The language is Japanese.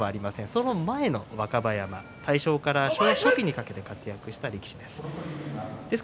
その前の、若葉山大正から昭和初期に活躍した力士です。